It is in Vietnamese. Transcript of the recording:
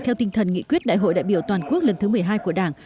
theo tinh thần nghị quyết đại hội đại biểu toàn quốc lần thứ một mươi hai của đảng